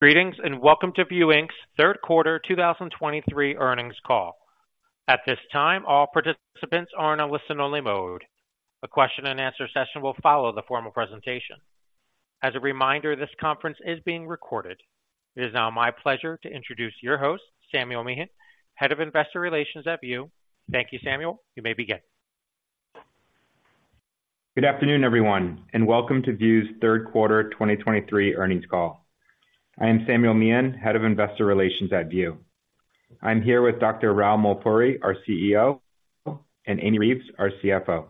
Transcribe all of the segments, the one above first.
Greetings, and welcome to View, Inc.'s third quarter 2023 earnings call. At this time, all participants are in a listen-only mode. A Q&A session will follow the formal presentation. As a reminder, this conference is being recorded. It is now my pleasure to introduce your host, Samuel Meehan, Head of Investor Relations at View. Thank you, Samuel. You may begin. Good afternoon, everyone, and welcome to View's third quarter 2023 earnings call. I am Samuel Meehan, Head of Investor Relations at View. I'm here with Dr. Rao Mulpuri, our CEO, and Amy Reeves, our CFO.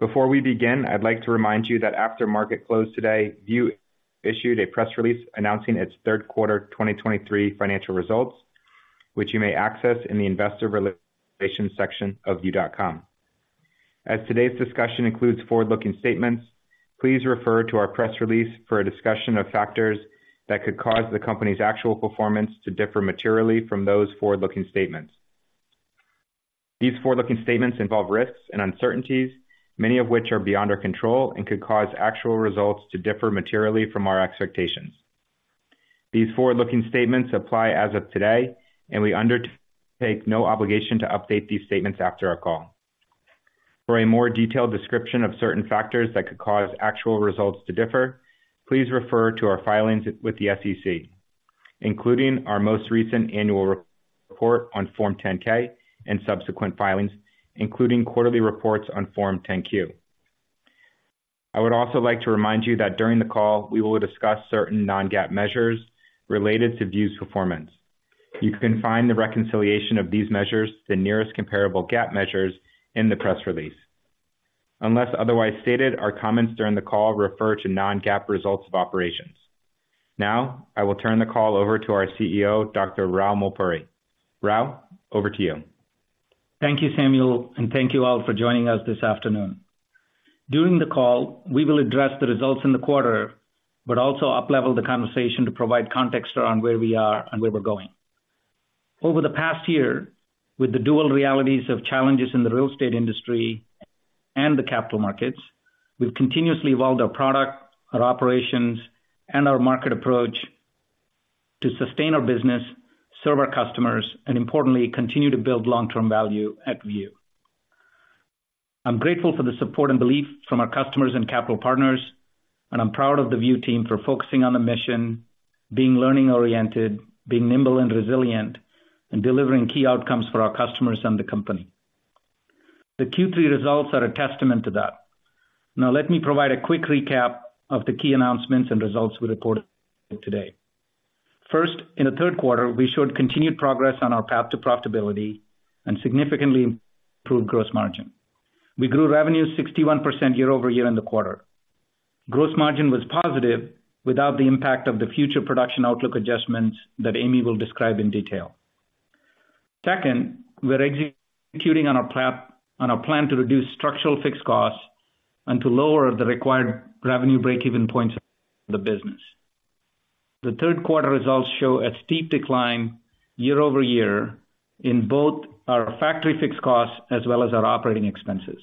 Before we begin, I'd like to remind you that after market closed today, View issued a press release announcing its third quarter 2023 financial results, which you may access in the investor relations section of view.com. As today's discussion includes forward-looking statements, please refer to our press release for a discussion of factors that could cause the company's actual performance to differ materially from those forward-looking statements. These forward-looking statements involve risks and uncertainties, many of which are beyond our control and could cause actual results to differ materially from our expectations. These forward-looking statements apply as of today, and we undertake no obligation to update these statements after our call. For a more detailed description of certain factors that could cause actual results to differ, please refer to our filings with the SEC, including our most recent annual report on Form 10-K and subsequent filings, including quarterly reports on Form 10-Q. I would also like to remind you that during the call, we will discuss certain non-GAAP measures related to View's performance. You can find the reconciliation of these measures, the nearest comparable GAAP measures in the press release. Unless otherwise stated, our comments during the call refer to non-GAAP results of operations. Now, I will turn the call over to our CEO, Dr. Rao Mulpuri. Rao, over to you. Thank you, Samuel, and thank you all for joining us this afternoon. During the call, we will address the results in the quarter, but also uplevel the conversation to provide context on where we are and where we're going. Over the past year, with the dual realities of challenges in the real estate industry and the capital markets, we've continuously evolved our product, our operations, and our market approach to sustain our business, serve our customers, and importantly, continue to build long-term value at View. I'm grateful for the support and belief from our customers and capital partners, and I'm proud of the View team for focusing on the mission, being learning-oriented, being nimble and resilient, and delivering key outcomes for our customers and the company. The Q3 results are a testament to that. Now, let me provide a quick recap of the key announcements and results we reported today. First, in the third quarter, we showed continued progress on our path to profitability and significantly improved gross margin. We grew revenue 61% year-over-year in the quarter. Gross margin was positive without the impact of the future production outlook adjustments that Amy will describe in detail. Second, we're executing on our plan to reduce structural fixed costs and to lower the required revenue break-even points of the business. The third quarter results show a steep decline year-over-year in both our factory fixed costs as well as our operating expenses.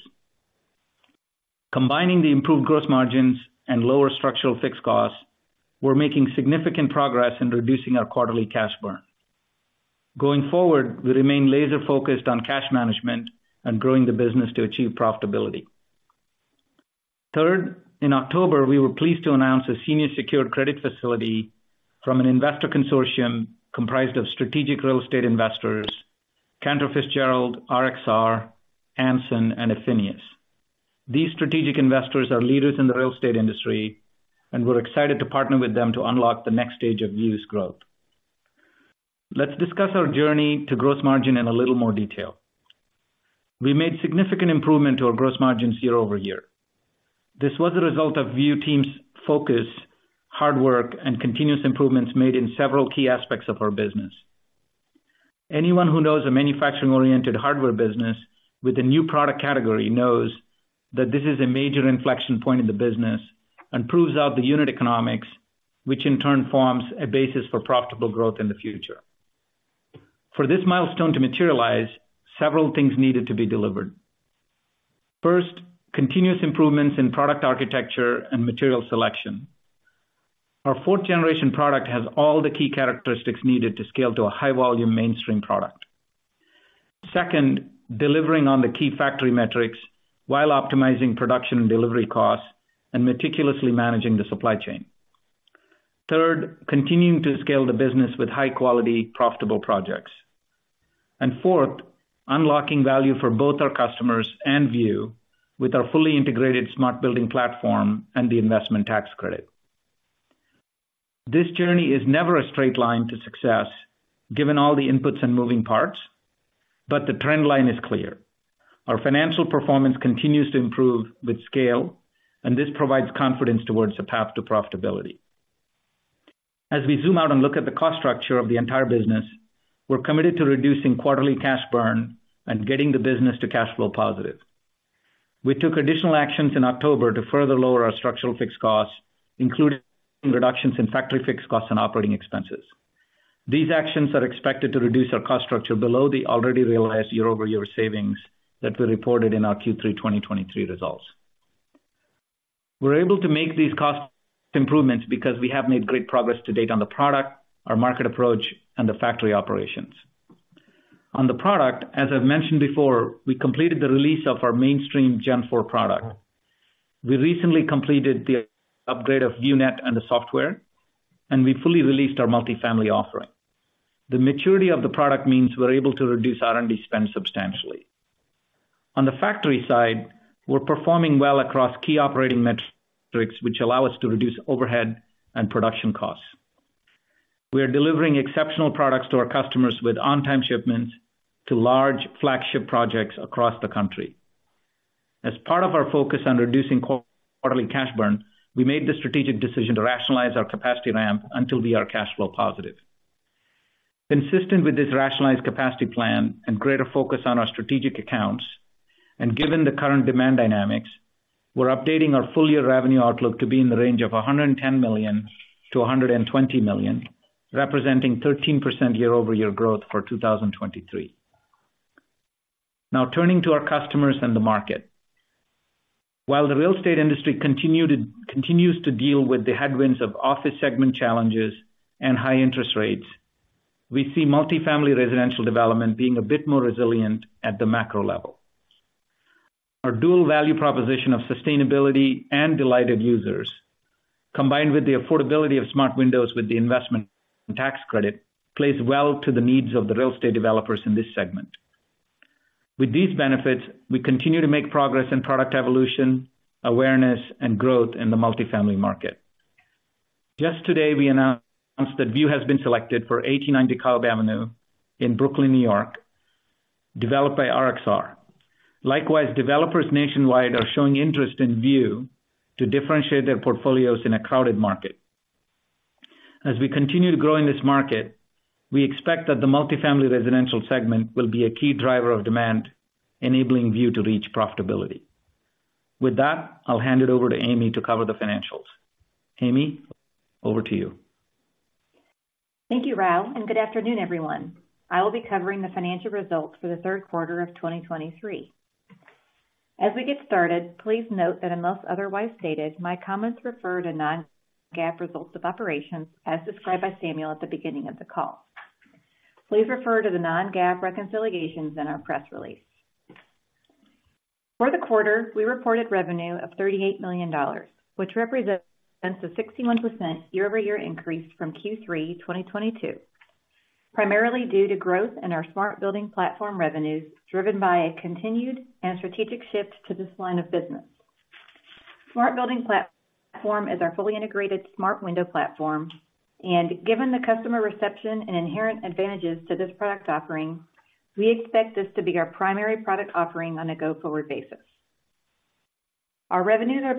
Combining the improved gross margins and lower structural fixed costs, we're making significant progress in reducing our quarterly cash burn. Going forward, we remain laser-focused on cash management and growing the business to achieve profitability. Third, in October, we were pleased to announce a senior secured credit facility from an investor consortium comprised of strategic real estate investors, Cantor Fitzgerald, RXR, Anson, and Affinius. These strategic investors are leaders in the real estate industry, and we're excited to partner with them to unlock the next stage of View's growth. Let's discuss our journey to gross margin in a little more detail. We made significant improvement to our gross margins year-over-year. This was a result of View team's focus, hard work, and continuous improvements made in several key aspects of our business. Anyone who knows a manufacturing-oriented hardware business with a new product category knows that this is a major inflection point in the business and proves out the unit economics, which in turn forms a basis for profitable growth in the future. For this milestone to materialize, several things needed to be delivered. First, continuous improvements in product architecture and material selection. Our fourth generation product has all the key characteristics needed to scale to a high volume mainstream product. Second, delivering on the key factory metrics while optimizing production and delivery costs and meticulously managing the supply chain. Third, continuing to scale the business with high quality, profitable projects. And fourth, unlocking value for both our customers and View with our fully integrated Smart Building Platform and the Investment Tax Credit. This journey is never a straight line to success, given all the inputs and moving parts, but the trend line is clear. Our financial performance continues to improve with scale, and this provides confidence towards the path to profitability. As we zoom out and look at the cost structure of the entire business, we're committed to reducing quarterly cash burn and getting the business to cash flow positive. We took additional actions in October to further lower our structural fixed costs, including reductions in factory fixed costs and operating expenses. These actions are expected to reduce our cost structure below the already realized year-over-year savings that we reported in our Q3 2023 results. We're able to make these cost improvements because we have made great progress to date on the product, our market approach, and the factory operations. On the product, as I've mentioned before, we completed the release of our mainstream Gen Four product. We recently completed the upgrade of View Net and the software, and we fully released our multifamily offering. The maturity of the product means we're able to reduce R&D spend substantially. On the factory side, we're performing well across key operating metrics, which allow us to reduce overhead and production costs. We are delivering exceptional products to our customers with on-time shipments to large flagship projects across the country. As part of our focus on reducing quarterly cash burn, we made the strategic decision to rationalize our capacity ramp until we are cash flow positive. Consistent with this rationalized capacity plan and greater focus on our strategic accounts, and given the current demand dynamics, we're updating our full-year revenue outlook to be in the range of $110 million-$120 million, representing 13% year-over-year growth for 2023. Now, turning to our customers and the market. While the real estate industry continues to deal with the headwinds of office segment challenges and high interest rates, we see multifamily residential development being a bit more resilient at the macro level. Our dual value proposition of sustainability and delighted users, combined with the affordability of smart windows with the Investment Tax Credit, plays well to the needs of the real estate developers in this segment. With these benefits, we continue to make progress in product evolution, awareness, and growth in the multifamily market. Just today, we announced that View has been selected for 89 DeKalb Avenue in Brooklyn, New York, developed by RXR. Likewise, developers nationwide are showing interest in View to differentiate their portfolios in a crowded market. As we continue to grow in this market, we expect that the multifamily residential segment will be a key driver of demand, enabling View to reach profitability. With that, I'll hand it over to Amy to cover the financials. Amy, over to you. Thank you, Rao, and good afternoon, everyone. I will be covering the financial results for the third quarter of 2023. As we get started, please note that unless otherwise stated, my comments refer to non-GAAP results of operations as described by Samuel at the beginning of the call. Please refer to the non-GAAP reconciliations in our press release. For the quarter, we reported revenue of $38 million, which represents a 61% year-over-year increase from Q3 2022, primarily due to growth in our Smart Building Platform revenues, driven by a continued and strategic shift to this line of business. Smart Building Platform is our fully integrated smart window platform, and given the customer reception and inherent advantages to this product offering, we expect this to be our primary product offering on a go-forward basis. Our revenues are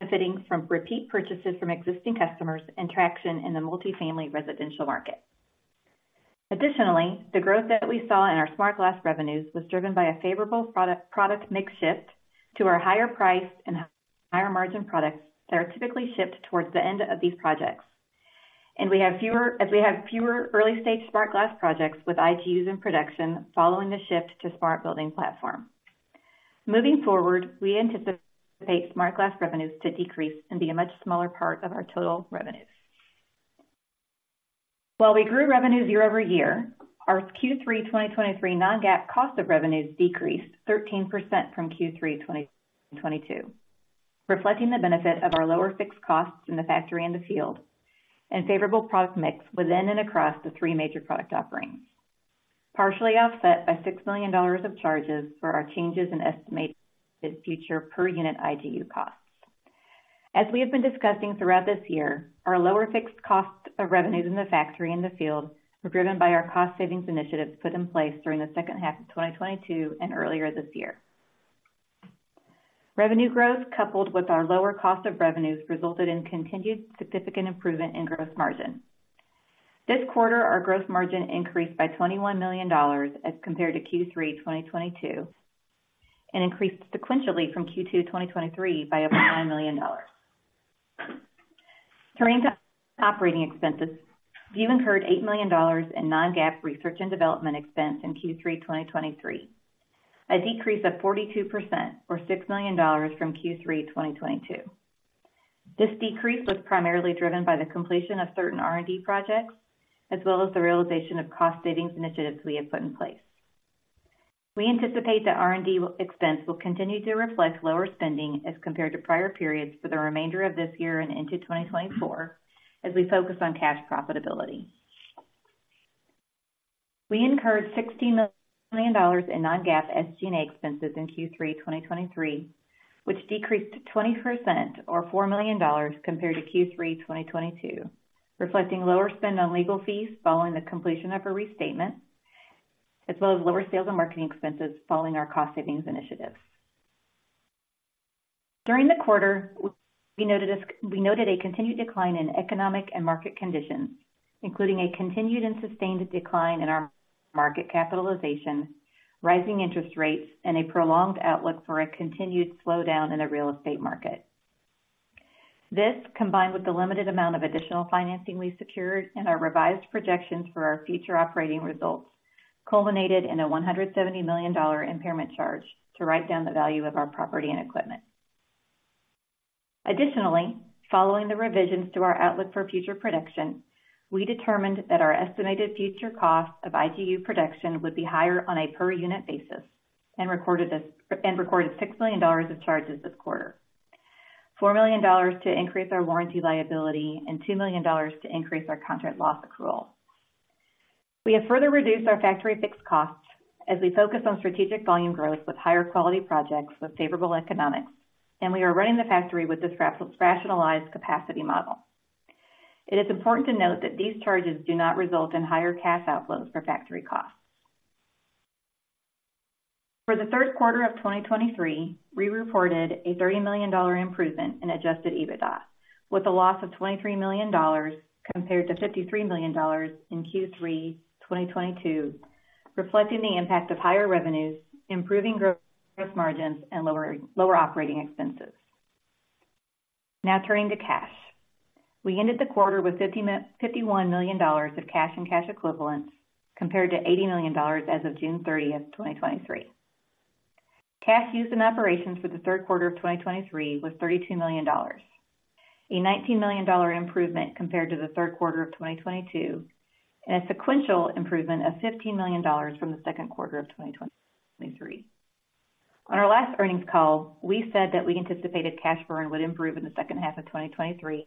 benefiting from repeat purchases from existing customers and traction in the multifamily residential market. Additionally, the growth that we saw in our Smart Glass revenues was driven by a favorable product mix shift to our higher priced and higher margin products that are typically shipped towards the end of these projects. We have fewer early-stage Smart Glass projects with IGUs in production following the shift to Smart Building Platform. Moving forward, we anticipate Smart Glass revenues to decrease and be a much smaller part of our total revenues. While we grew revenues year-over-year, our Q3 2023 non-GAAP cost of revenues decreased 13% from Q3 2022, reflecting the benefit of our lower fixed costs in the factory and the field, and favorable product mix within and across the three major product offerings, partially offset by $6 million of charges for our changes in estimated future per unit IGU costs. As we have been discussing throughout this year, our lower fixed costs of revenues in the factory and the field were driven by our cost savings initiatives put in place during the second half of 2022 and earlier this year. Revenue growth, coupled with our lower cost of revenues, resulted in continued significant improvement in gross margin. This quarter, our gross margin increased by $21 million as compared to Q3 2022, and increased sequentially from Q2 2023 by over $9 million. Turning to operating expenses, View incurred $8 million in non-GAAP research and development expense in Q3 2023, a decrease of 42% or $6 million from Q3 2022. This decrease was primarily driven by the completion of certain R&D projects, as well as the realization of cost savings initiatives we have put in place. We anticipate that R&D expense will continue to reflect lower spending as compared to prior periods for the remainder of this year and into 2024, as we focus on cash profitability. We incurred $60 million in non-GAAP SG&A expenses in Q3 2023, which decreased 20% or $4 million compared to Q3 2022, reflecting lower spend on legal fees following the completion of a restatement, as well as lower sales and marketing expenses following our cost savings initiatives. During the quarter, we noted a continued decline in economic and market conditions, including a continued and sustained decline in our market capitalization, rising interest rates, and a prolonged outlook for a continued slowdown in the real estate market. This, combined with the limited amount of additional financing we secured and our revised projections for our future operating results, culminated in a $170 million impairment charge to write down the value of our property and equipment. Additionally, following the revisions to our outlook for future production, we determined that our estimated future costs of IGU production would be higher on a per unit basis, and recorded $6 million of charges this quarter. $4 million to increase our warranty liability and $2 million to increase our contract loss accrual. We have further reduced our factory fixed costs as we focus on strategic volume growth with higher quality projects with favorable economics, and we are running the factory with this rationalized capacity model. It is important to note that these charges do not result in higher cash outflows for factory costs. For the third quarter of 2023, we reported a $30 million improvement in adjusted EBITDA, with a loss of $23 million compared to $53 million in Q3 2022, reflecting the impact of higher revenues, improving gross margins, and lower operating expenses. Now turning to cash. We ended the quarter with $51 million of cash and cash equivalents, compared to $80 million as of June 30, 2023. Cash used in operations for the third quarter of 2023 was $32 million, a $19 million improvement compared to the third quarter of 2022, and a sequential improvement of $15 million from the second quarter of 2023. On our last earnings call, we said that we anticipated cash burn would improve in the second half of 2023,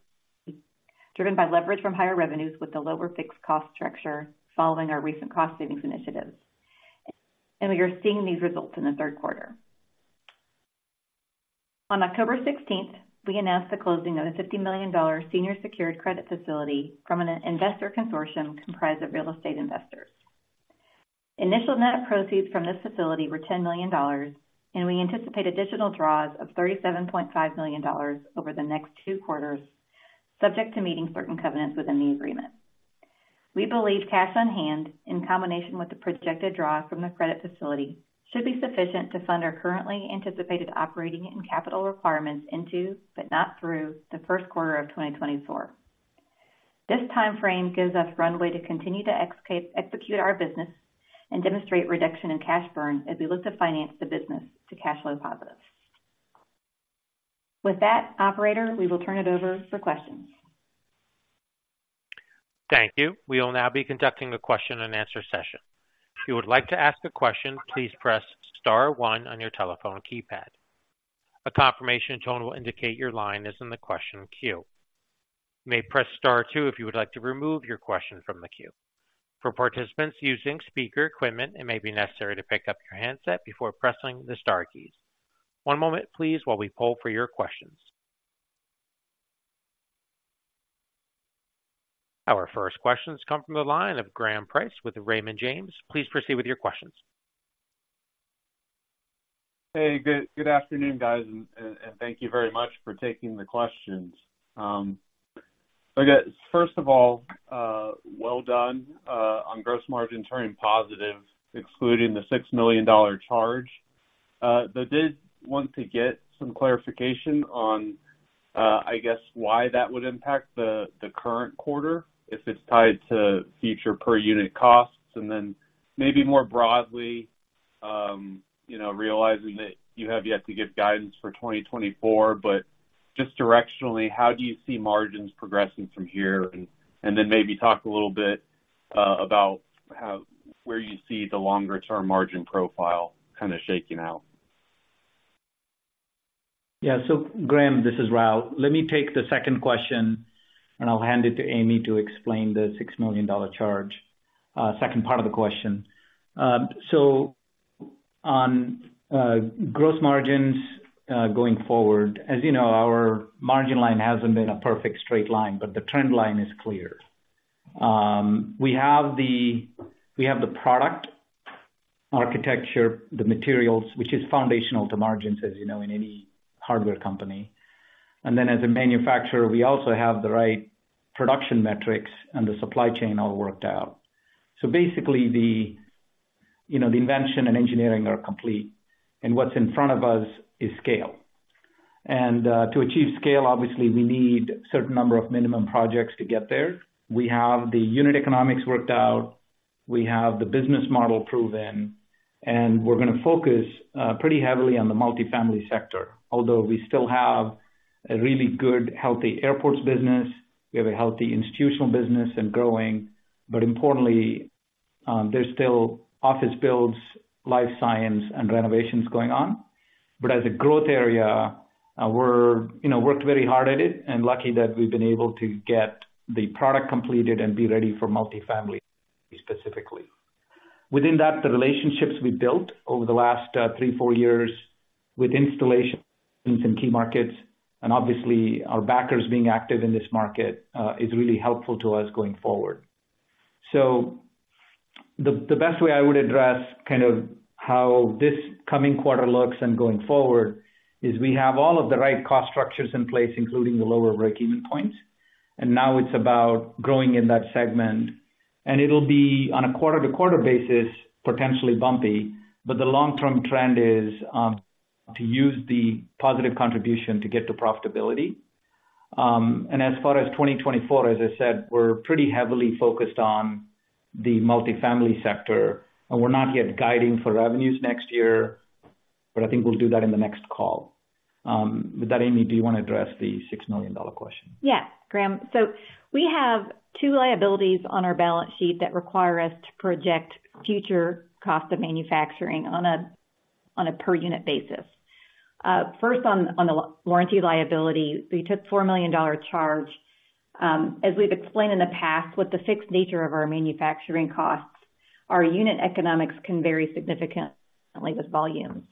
driven by leverage from higher revenues with a lower fixed cost structure following our recent cost savings initiatives. We are seeing these results in the third quarter. On October 16, we announced the closing of a $50 million senior secured credit facility from an investor consortium comprised of real estate investors. Initial net proceeds from this facility were $10 million, and we anticipate additional draws of $37.5 million over the next two quarters, subject to meeting certain covenants within the agreement. We believe cash on hand, in combination with the projected draw from the credit facility, should be sufficient to fund our currently anticipated operating and capital requirements into, but not through, the first quarter of 2024. This time frame gives us runway to continue to execute our business and demonstrate reduction in cash burn as we look to finance the business to cash flow positive. With that, operator, we will turn it over for questions. Thank you. We will now be conducting the Q&A session. If you would like to ask a question, please press star one on your telephone keypad. A confirmation tone will indicate your line is in the question queue. You may press star two if you would like to remove your question from the queue. For participants using speaker equipment, it may be necessary to pick up your handset before pressing the star keys. One moment, please, while we poll for your questions. Our first questions come from the line of Graham Price with Raymond James. Please proceed with your questions. Hey, good, good afternoon, guys, and, and, thank you very much for taking the questions. I guess, first of all, well done on gross margin turning positive, excluding the $6 million charge. But did want to get some clarification on, I guess, why that would impact the current quarter, if it's tied to future per unit costs, and then maybe more broadly, you know, realizing that you have yet to give guidance for 2024, but just directionally, how do you see margins progressing from here? And, and then maybe talk a little bit about how—where you see the longer-term margin profile kind of shaking out. Yeah. So Graham, this is Rao. Let me take the second question, and I'll hand it to Amy to explain the $6 million charge, second part of the question. So on gross margins going forward, as you know, our margin line hasn't been a perfect straight line, but the trend line is clear. We have the product architecture, the materials, which is foundational to margins, as you know, in any hardware company. And then as a manufacturer, we also have the right production metrics and the supply chain all worked out. So basically, you know, the invention and engineering are complete, and what's in front of us is scale. And to achieve scale, obviously, we need a certain number of minimum projects to get there. We have the unit economics worked out, we have the business model proven, and we're gonna focus pretty heavily on the multifamily sector. Although we still have a really good, healthy airports business, we have a healthy institutional business and growing. But importantly, there's still office builds, life science, and renovations going on. But as a growth area, we're, you know, worked very hard at it and lucky that we've been able to get the product completed and be ready for multifamily, specifically. Within that, the relationships we built over the last three, four years with installations in key markets and obviously our backers being active in this market is really helpful to us going forward. So the best way I would address kind of how this coming quarter looks and going forward is we have all of the right cost structures in place, including the lower breakeven points. And now it's about growing in that segment, and it'll be on a quarter-to-quarter basis, potentially bumpy, but the long-term trend is to use the positive contribution to get to profitability. And as far as 2024, as I said, we're pretty heavily focused on the multifamily sector, and we're not yet guiding for revenues next year, but I think we'll do that in the next call. With that, Amy, do you want to address the $6 million question? Yes, Graham. So we have two liabilities on our balance sheet that require us to project future cost of manufacturing on a per unit basis. First, on the warranty liability, we took $4 million charge. As we've explained in the past, with the fixed nature of our manufacturing costs, our unit economics can vary significantly with volumes.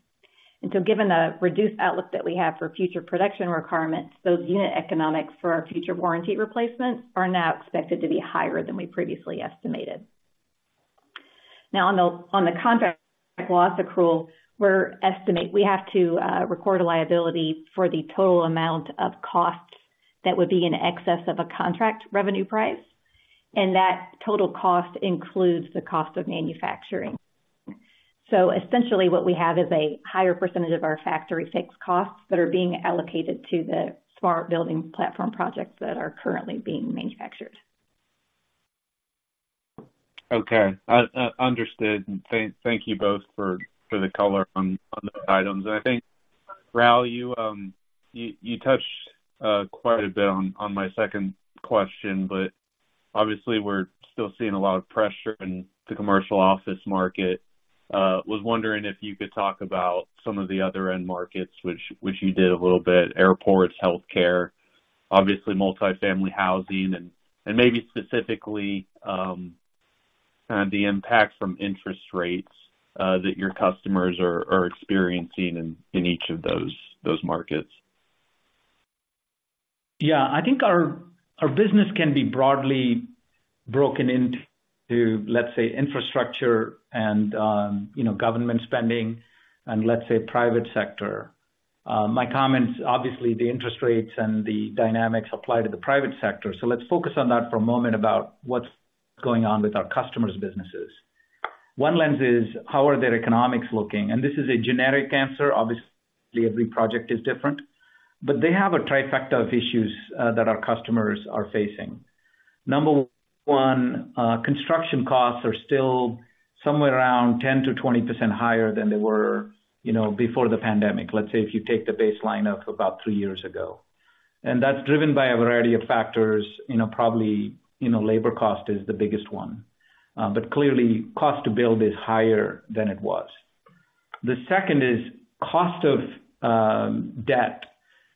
And so given the reduced outlook that we have for future production requirements, those unit economics for our future warranty replacements are now expected to be higher than we previously estimated. Now on the contract loss accrual, we have to record a liability for the total amount of costs that would be in excess of a contract revenue price, and that total cost includes the cost of manufacturing. Essentially, what we have is a higher percentage of our factory fixed costs that are being allocated to the Smart Building Platform projects that are currently being manufactured. Okay. Understood. Thank you both for the color on those items. And I think, Rao, you touched quite a bit on my second question, but obviously we're still seeing a lot of pressure in the commercial office market. Was wondering if you could talk about some of the other end markets, which you did a little bit, airports, healthcare, obviously multifamily housing, and maybe specifically the impact from interest rates that your customers are experiencing in each of those markets. Yeah. I think our business can be broadly broken into, let's say, infrastructure and, you know, government spending and, let's say, private sector. My comments, obviously, the interest rates and the dynamics apply to the private sector, so let's focus on that for a moment about what's going on with our customers' businesses. One lens is, how are their economics looking? And this is a generic answer. Obviously, every project is different, but they have a trifecta of issues that our customers are facing. Number one, construction costs are still somewhere around 10%-20% higher than they were, you know, before the pandemic. Let's say, if you take the baseline of about three years ago. And that's driven by a variety of factors, you know, probably, you know, labor cost is the biggest one. But clearly, cost to build is higher than it was. The second is cost of debt,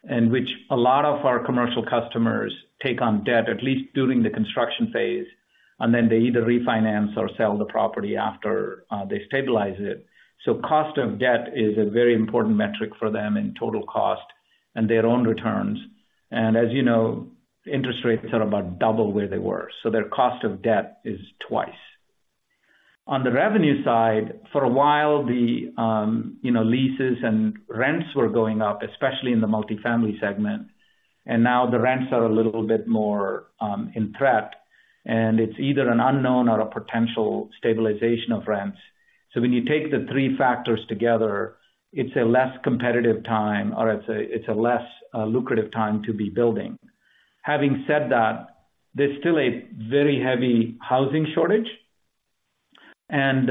in which a lot of our commercial customers take on debt, at least during the construction phase, and then they either refinance or sell the property after they stabilize it. So cost of debt is a very important metric for them in total cost and their own returns, and as you know, interest rates are about double where they were, so their cost of debt is twice. On the revenue side, for a while, you know, leases and rents were going up, especially in the multifamily segment, and now the rents are a little bit more in threat, and it's either an unknown or a potential stabilization of rents. So when you take the three factors together, it's a less competitive time, or it's a less lucrative time to be building. Having said that, there's still a very heavy housing shortage, and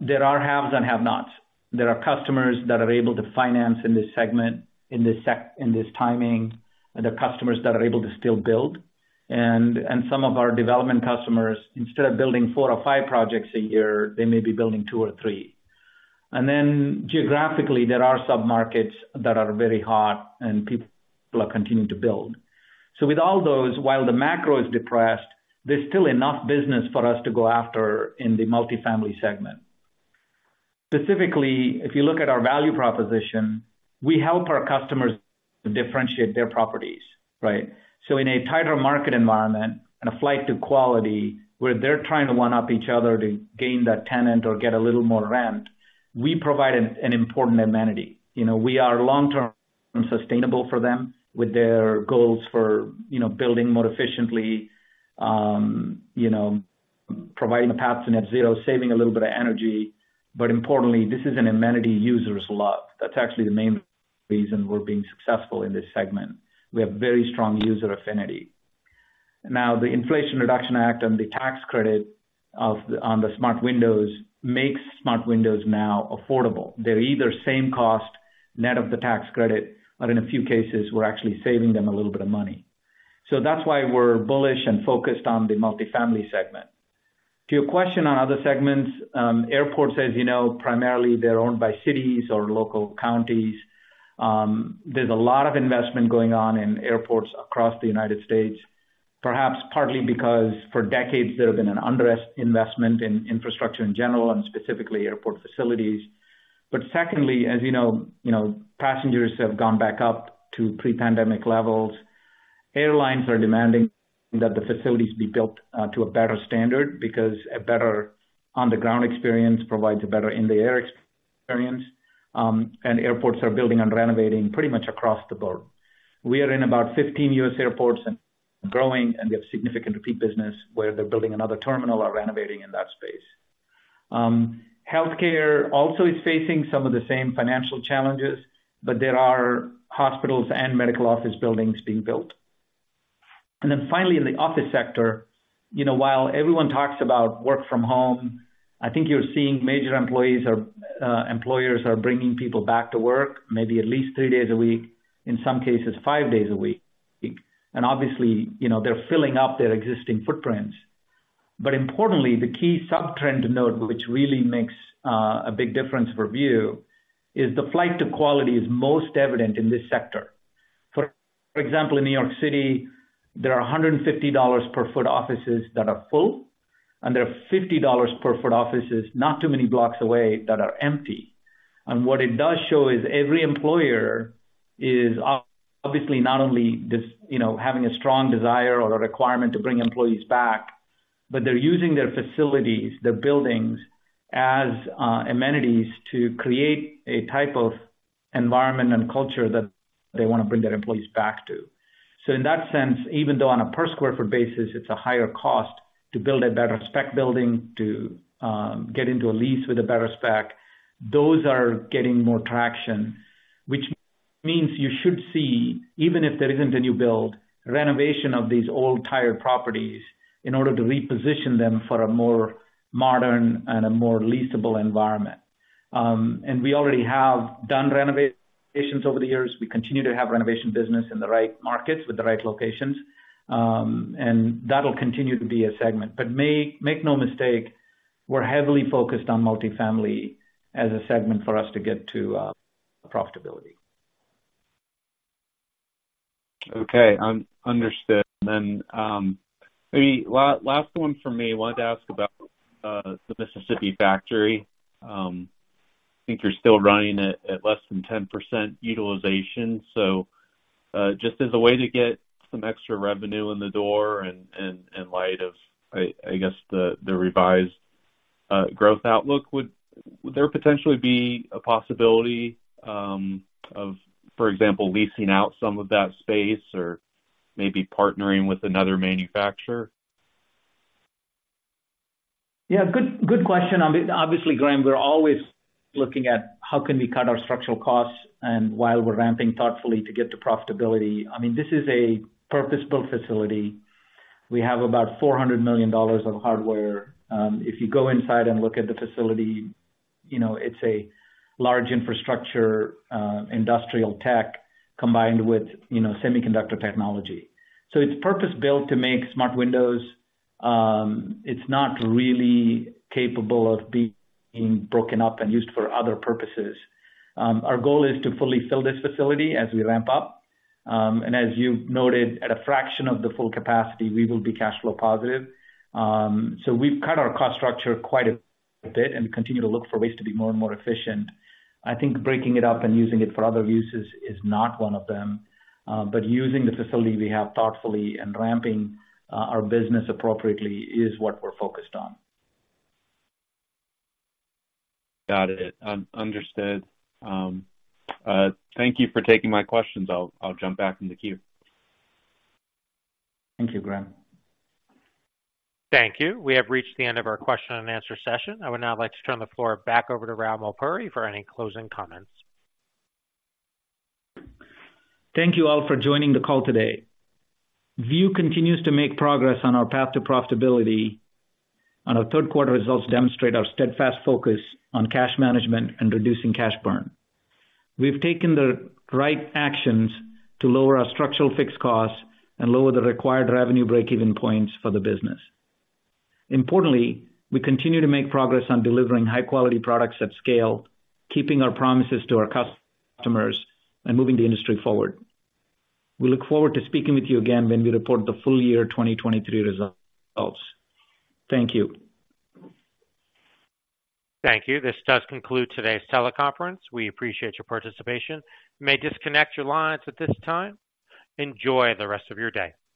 there are haves and have-nots. There are customers that are able to finance in this segment, in this timing, and there are customers that are able to still build. And some of our development customers, instead of building four or five projects a year, they may be building two or three. And then geographically, there are submarkets that are very hot and people are continuing to build. So with all those, while the macro is depressed, there's still enough business for us to go after in the multifamily segment. Specifically, if you look at our value proposition, we help our customers to differentiate their properties, right? So in a tighter market environment and a flight to quality, where they're trying to one-up each other to gain that tenant or get a little more rent, we provide an important amenity. You know, we are long-term sustainable for them with their goals for, you know, building more efficiently, you know, providing a path to net zero, saving a little bit of energy. But importantly, this is an amenity users love. That's actually the main reason we're being successful in this segment. We have very strong user affinity. Now, the Inflation Reduction Act and the tax credit of the, on the smart windows, makes smart windows now affordable. They're either same cost, net of the tax credit, but in a few cases, we're actually saving them a little bit of money. So that's why we're bullish and focused on the multifamily segment. To your question on other segments, airports, as you know, primarily they're owned by cities or local counties. There's a lot of investment going on in airports across the United States, perhaps partly because for decades, there have been an underinvestment in infrastructure in general, and specifically airport facilities. But secondly, as you know, you know, passengers have gone back up to pre-pandemic levels. Airlines are demanding that the facilities be built to a better standard, because a better on-the-ground experience provides a better in-the-air experience, and airports are building and renovating pretty much across the board. We are in about 15 U.S. airports and growing, and we have significant repeat business where they're building another terminal or renovating in that space. Healthcare also is facing some of the same financial challenges, but there are hospitals and medical office buildings being built. Then finally, in the office sector, you know, while everyone talks about work from home, I think you're seeing major employees are, employers are bringing people back to work, maybe at least three days a week, in some cases, five days a week. And obviously, you know, they're filling up their existing footprints. But importantly, the key sub-trend note, which really makes, a big difference for View, is the flight to quality is most evident in this sector. For example, in New York City, there are $150 per foot offices that are full, and there are $50 per foot offices, not too many blocks away, that are empty. What it does show is every employer is obviously not only just, you know, having a strong desire or a requirement to bring employees back, but they're using their facilities, their buildings, as amenities to create a type of environment and culture that they want to bring their employees back to. So in that sense, even though on a per square foot basis, it's a higher cost to build a better spec building, to get into a lease with a better spec, those are getting more traction. Which means you should see, even if there isn't a new build, renovation of these old tired properties in order to reposition them for a more modern and a more leasable environment. We already have done renovations over the years. We continue to have renovation business in the right markets with the right locations, and that'll continue to be a segment. But make, make no mistake, we're heavily focused on multifamily as a segment for us to get to profitability. Okay, understood. Then, maybe last one for me. Wanted to ask about the Mississippi factory. I think you're still running it at less than 10% utilization. So, just as a way to get some extra revenue in the door and in light of, I guess the revised growth outlook, would there potentially be a possibility of, for example, leasing out some of that space or maybe partnering with another manufacturer? Yeah, good, good question. Obviously, Graham, we're always looking at how can we cut our structural costs and while we're ramping thoughtfully to get to profitability. I mean, this is a purpose-built facility. We have about $400 million of hardware. If you go inside and look at the facility, you know, it's a large infrastructure, industrial tech, combined with, you know, semiconductor technology. So it's purpose-built to make smart windows. It's not really capable of being broken up and used for other purposes. Our goal is to fully fill this facility as we ramp up. And as you noted, at a fraction of the full capacity, we will be cash flow positive. So we've cut our cost structure quite a bit and continue to look for ways to be more and more efficient. I think breaking it up and using it for other uses is not one of them, but using the facility we have thoughtfully and ramping our business appropriately is what we're focused on. Got it. Understood. Thank you for taking my questions. I'll jump back in the queue. Thank you, Graham. Thank you. We have reached the end of our Q&A session. I would now like to turn the floor back over to Rao Mulpuri for any closing comments. Thank you all for joining the call today. View continues to make progress on our path to profitability, and our third quarter results demonstrate our steadfast focus on cash management and reducing cash burn. We've taken the right actions to lower our structural fixed costs and lower the required revenue breakeven points for the business. Importantly, we continue to make progress on delivering high quality products at scale, keeping our promises to our customers, and moving the industry forward. We look forward to speaking with you again when we report the full year 2023 results. Thank you. Thank you. This does conclude today's teleconference. We appreciate your participation. You may disconnect your lines at this time. Enjoy the rest of your day.